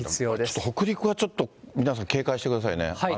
ちょっと北陸はちょっと、皆さん警戒してくださいね、雨。